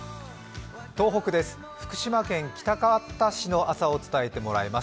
東北です、福島県喜多方市の朝を伝えてもらいます。